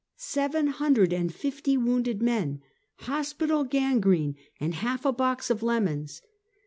" Seven hundred and fifty wounded men! Hospital o ano rene, and half a box of lemons!"